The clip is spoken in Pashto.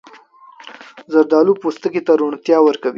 زردالو پوستکي ته روڼتیا ورکوي.